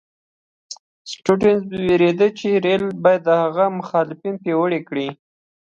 سټیونز وېرېده چې رېل به د هغه مخالفین پیاوړي کړي.